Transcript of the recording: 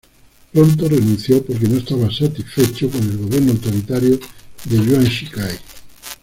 Pronto renunció porque no estaba satisfecho con el gobierno autoritario de Yuan Shikai.